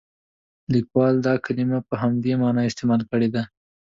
لیکوال دا کلمه په همدې معنا استعمال کړې ده.